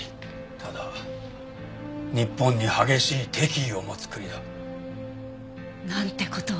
ただ日本に激しい敵意を持つ国だ。なんて事を。